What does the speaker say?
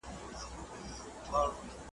زه اوس د یوې نوې لوبې په لټه کې یم.